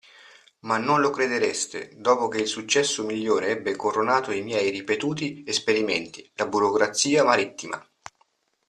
Ma non lo credereste: dopo che il successo migliore ebbe coronato i miei ripetuti esperimenti, la burocrazia marittima.